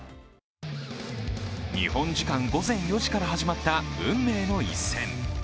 日本時間午前４時から始まった運命の一戦。